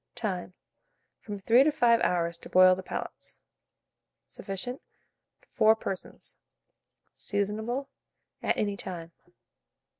Time. From 3 to 5 hours to boil the palates. Sufficient for 4 persons. Seasonable at any time.